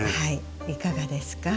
いかがですか？